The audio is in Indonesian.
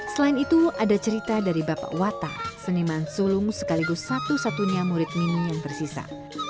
selain itu ada cerita dari bapak wata seniman sulung sekaligus satu satunya murid mini yang bersisa